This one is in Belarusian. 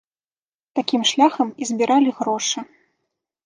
Такім шляхам і збіралі грошы.